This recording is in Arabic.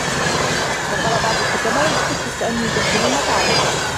وَقَالَ بَعْضُ الْحُكَمَاءِ بِحُسْنِ التَّأَنِّي تَسْهُلُ الْمَطَالِبُ